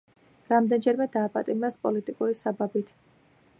რამდენჯერმე დააპატიმრეს პოლიტიკური საბაბით.